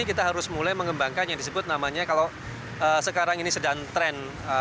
kita harus mulai mengembangkan yang disebut namanya kalau sekarang ini sedang tren